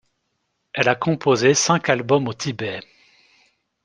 Elle a composé cinq albums au Tibet.